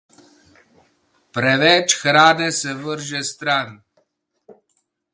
Preveč hrane se vrže stran.